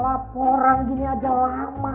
laporan gini aja lama